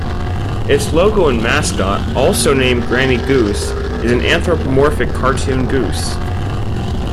Its logo and mascot, also named Granny Goose, is an anthropomorphic cartoon goose.